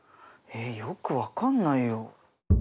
えよく分かんないよ。